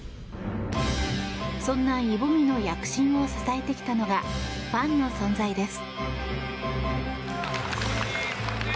そんなイ・ボミの躍進を支えてきたのがファンの存在です。